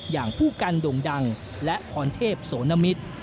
อย่างผู้กันดงและพรเทพศนมิตร